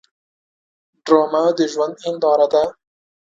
ډرامه د ژوند هنداره ده